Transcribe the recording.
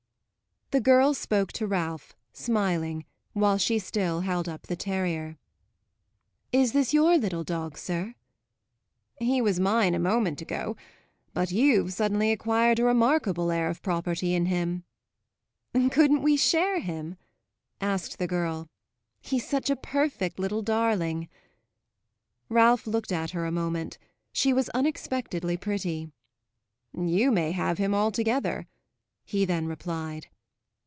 The girl spoke to Ralph, smiling, while she still held up the terrier. "Is this your little dog, sir?" "He was mine a moment ago; but you've suddenly acquired a remarkable air of property in him." "Couldn't we share him?" asked the girl. "He's such a perfect little darling." Ralph looked at her a moment; she was unexpectedly pretty. "You may have him altogether," he then replied.